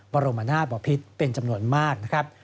บรมนาศบอพิษเป็นจำนวนมากนะครับ